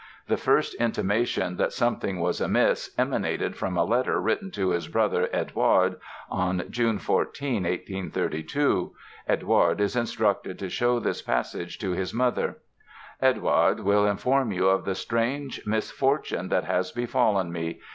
The first intimation that something was amiss emanated from a letter written to his brother, Eduard, on June 14, 1832. Eduard is instructed to show this passage to his mother: "Eduard will inform you of the strange misfortune that has befallen me.